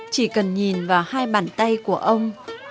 chỉ cần nhìn vào hai bàn tay của ông